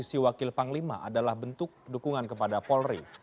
posisi wakil panglima adalah bentuk dukungan kepada polri